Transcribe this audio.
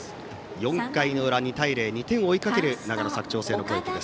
４回の裏、２対０２点を追いかける長野・佐久長聖の攻撃。